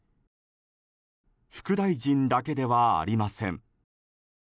副大臣だけではありません。